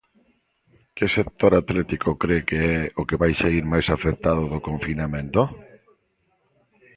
Que sector atlético cre que é o que vai saír máis afectado do confinamento?